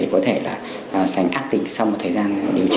có thể là sành ác tình sau một thời gian điều trị